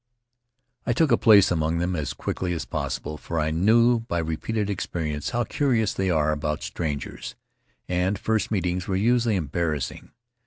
I took a place among them as quietly as possible, for I knew by repeated experience how curious they are about strangers, and first meetings were usually em barrassing.